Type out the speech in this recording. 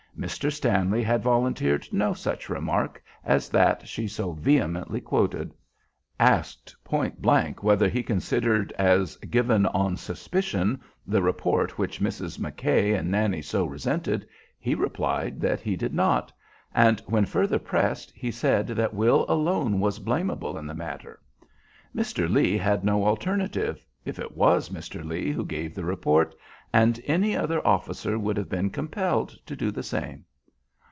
Mr. Stanley had volunteered no such remark as that she so vehemently quoted. Asked point blank whether he considered as given "on suspicion" the report which Mrs. McKay and Nannie so resented, he replied that he did not; and, when further pressed, he said that Will alone was blamable in the matter: Mr. Lee had no alternative, if it was Mr. Lee who gave the report, and any other officer would have been compelled to do the same.